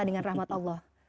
dengan rahmat allah